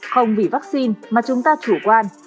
không vì vaccine mà chúng ta chủ quan